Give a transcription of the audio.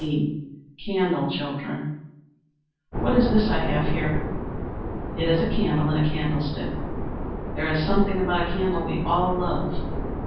"_ CANDLE CHILDREN What is this I have here? It is a candle in a candlestick. There is something about a candle we all love.